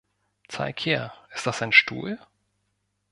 Zeig her, ist das ein Stuhl?